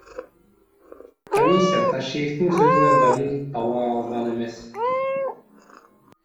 Комиссия Ташиевдин сөзүнө далил таба алган эмес.